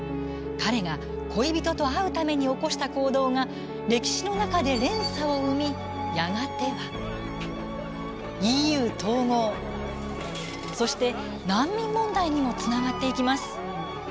彼が恋人と会うために起こした行動が歴史の中で連鎖を生みやがてはＥＵ統合そして、難民問題にもつながっていきます。